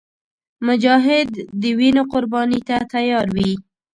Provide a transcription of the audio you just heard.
مجاهد د وینو قرباني ته تیار وي.